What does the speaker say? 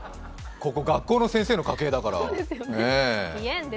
ここ学校の先生の家系だから。